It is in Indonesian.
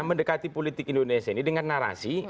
mendekati politik indonesia ini dengan narasi